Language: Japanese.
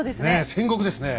戦国ですねえ。